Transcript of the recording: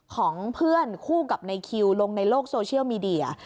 ของเพื่อนคู่กับในคิวลงในโลกโซเชียลมีเดีย